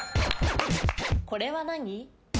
これは何？